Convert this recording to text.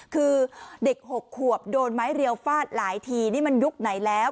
คือเด็ก๖ขวบโดนไม้เรียวฟาดหลายทีนี่มันยุคไหนแล้ว